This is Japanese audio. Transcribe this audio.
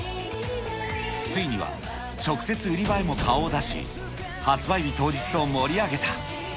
ついには直接売り場へも顔を出し、発売日当日を盛り上げた。